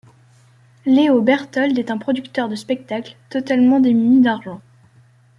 Léo Bertold est un producteur de spectacles, totalement démuni d'argent.